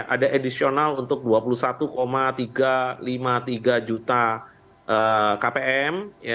ada edisional untuk dua puluh satu tiga ratus lima puluh tiga juta kpm